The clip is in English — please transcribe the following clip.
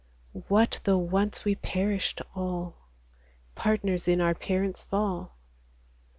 What though once we perished all, Partners in our parents' fall